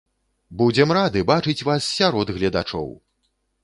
Будзем рады бачыць вас сярод гледачоў!